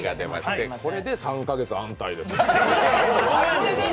これで３か月安泰ですよ。